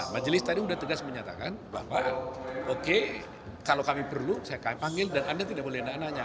majelis tadi sudah tegas menyatakan bapak kalau kami perlu saya panggil dan anda tidak boleh enak enaknya